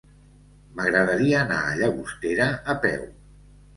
M'agradaria anar a Llagostera a peu.